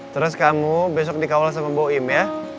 terus kamu besok dikawal sama boim ya